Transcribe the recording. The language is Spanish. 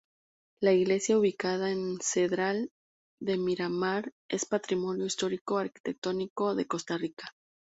La iglesia ubicada en Cedral de Miramar es patrimonio histórico-arquitectónico de Costa Rica.